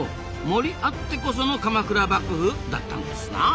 森あってこその鎌倉幕府だったんですな。